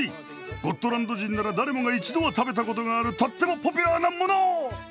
ゴットランド人なら誰もが一度は食べたことがあるとってもポピュラーなもの！